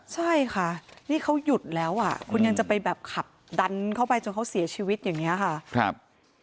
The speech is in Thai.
ใช่ค่ะนี่เขาหยุดแล้วอ่ะคุณยังจะไปแบบขับดันเข้าไปจนเขาเสียชีวิตอย่างนี้ค่ะ